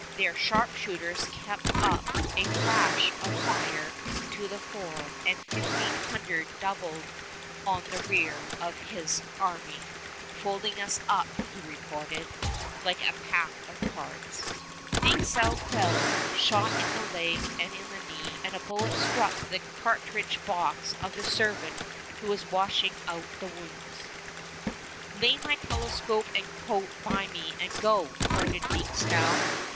Their sharpshooters kept up a crash of fire to the fore, and fifteen hundred doubled on the rear of his army, "folding us up," he reported, "like a pack of cards." Dieskau fell, shot in the leg and in the knee, and a bullet struck the cartridge box of the servant who was washing out the wounds. [Illustration: CONTEMPORARY MAP OF THE REGION OF LAKE GEORGE] "Lay my telescope and coat by me, and go!" ordered Dieskau.